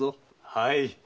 はい。